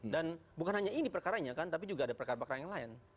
dan bukan hanya ini perkaranya kan tapi juga ada perkara perkara yang lain